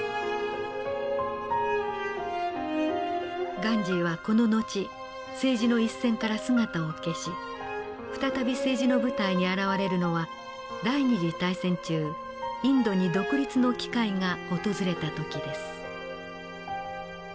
ガンジーはこの後政治の一線から姿を消し再び政治の舞台に現れるのは第二次大戦中インドに独立の機会が訪れた時です。